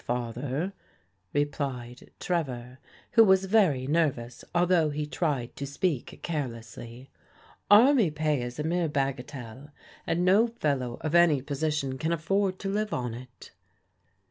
Father," replied Trevor, who was very nervous although he tried to speak carelessly, " army pay is a mere bagatelle, and no fellow of any position can afford to live on it."